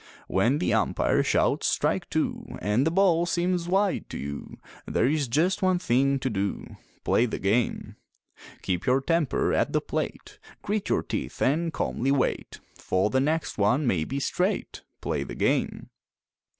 When the umpire shouts: "Strike two!" And the ball seems wide to you, There is just one thing to do: Play the game! Keep your temper at the plate, Grit your teeth and calmly wait, For the next one may be straight Play the game!